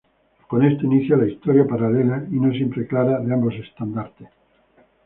Con esto inicia la historia paralela y no siempre clara de ambos estandartes.